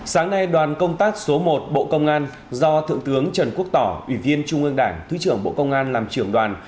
sáng nay đoàn công tác số một bộ công an do thượng tướng trần quốc tỏ ủy viên trung ương đảng thứ trưởng bộ công an làm trưởng đoàn